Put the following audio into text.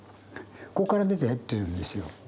「こっから出て」って言うんですよ。